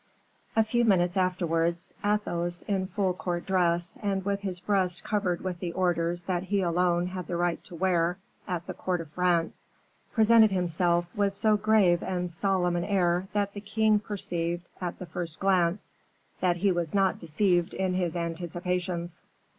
A few minutes afterwards Athos, in full court dress, and with his breast covered with the orders that he alone had the right to wear at the court of France, presented himself with so grave and solemn an air that the king perceived, at the first glance, that he was not deceived in his anticipations.